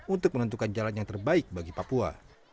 untuk menentukan jalan yang terbaik bagi papua